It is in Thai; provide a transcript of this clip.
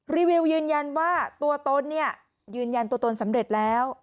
รีวิวยืนยันว่าตัวตนเนี่ยยืนยันตัวตนสำเร็จแล้ว